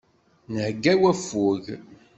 Nhegga i waffug.